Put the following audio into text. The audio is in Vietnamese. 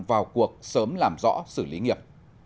vào cuộc sớm làm rõ xử lý nghiệp